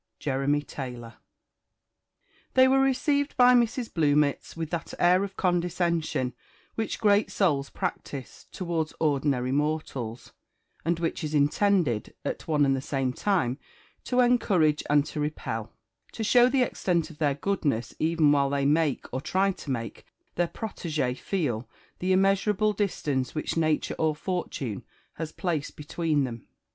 JEREMY TAYLOR. THEY were received by Mrs. Bluemits with that air of condescension which great souls practise towards ordinary mortals, and which is intended, at one and the same time, to encourage and to repel; to show the extent of their goodness, even while they make, or try to make, their protege feel the immeasurable distance which nature or fortune has placed between them.